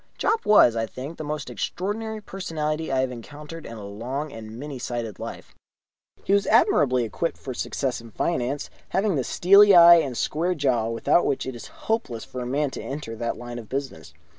Jopp was, I think, the most extraordinary personality I have encountered in a long and many sided life. He was admirably equipped for success in finance, having the steely eye and square jaw without which it is hopeless for a man to enter that line of business.